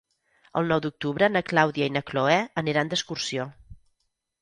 El nou d'octubre na Clàudia i na Cloè aniran d'excursió.